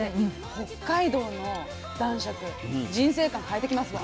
北海道の男爵人生観変えてきますわ。